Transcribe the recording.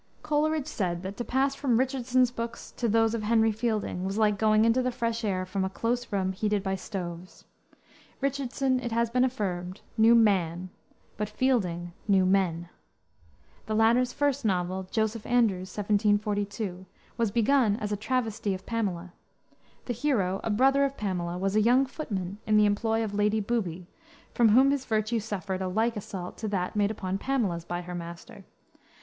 Coleridge said that to pass from Richardson's books to those of Henry Fielding was like going into the fresh air from a close room heated by stoves. Richardson, it has been affirmed, knew man, but Fielding knew men. The latter's first novel, Joseph Andrews, 1742, was begun as a travesty of Pamela. The hero, a brother of Pamela, was a young footman in the employ of Lady Booby, from whom his virtue suffered a like assault to that made upon Pamela's by her master.